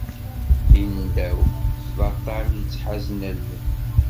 Tindaw, d aṭṭan i yettḥazen allen.